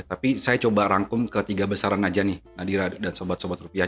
tapi saya coba rangkum ketiga besaran aja nih nadira dan sobat sobat rupiah